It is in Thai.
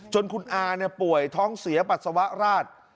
จนคุณอาป่วยท้องเสียปัสสวรรค์ราช